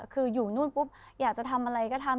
คืออยู่นู่นปุ๊บอยากจะทำอะไรก็ทำ